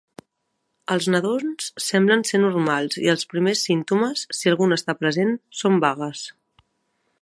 Els nadons semblen ser normals i els primers símptomes, si algun està present, són vagues.